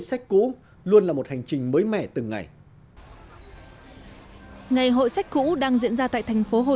sách cũ luôn là một hành trình mới mẻ từng ngày hội sách cũ đang diễn ra tại thành phố hồ